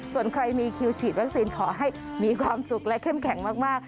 ส่วนใครมีคิวฉีดวัคซีนขอให้มีความสุขและเข้มแข็งมาก